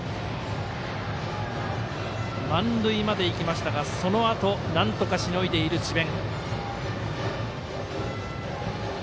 満塁までいきましたが、そのあとなんとかしのいでいる智弁。